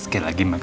sekali lagi makasih